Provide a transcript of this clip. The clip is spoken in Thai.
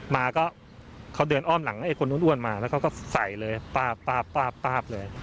มาก็เขาเดินอ้อมหลังไอ้คนอ้วนมาแล้วเขาก็ใส่เลยป้าบเลย